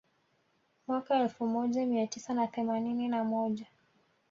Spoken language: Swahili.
Mwaka elfu moja mia tisa na themanini na moja